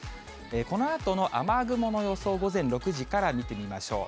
このあとの雨雲の予想を午前６時から見てみましょう。